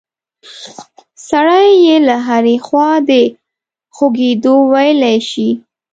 سړی یې له هرې خوا د خوږېدو ویلی شي.